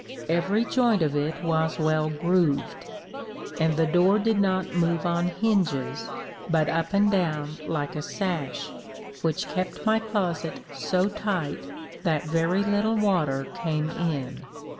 Every joint of it was well grooved; and the door did not move on hinges, but up and down like a sash, which kept my closet so tight that very little water came in.